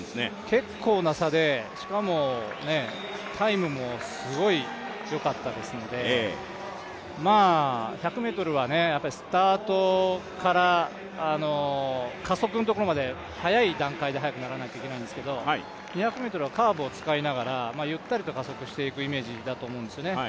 結構な差で、しかもタイムもすごいよかったので１００ｍはスタートから加速のところまで早い段階で速くならないといけないんですけど２００ｍはカーブを使いながらゆったりと加速をしていくイメージだと思うんですよね。